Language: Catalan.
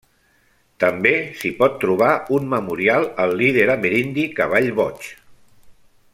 També s'hi pot trobar un memorial al líder amerindi Cavall Boig.